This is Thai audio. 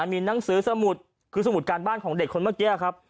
มีหนังสือสมุดคือสมุดการบ้านของเด็กคนเมื่อกี้ครับ